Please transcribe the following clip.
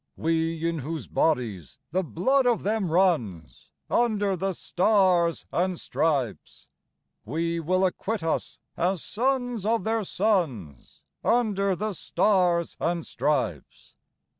We in whose bodies the blood of them runs, Under the stars and stripes, We will acquit us as sons of their sons, Under the stars and stripes.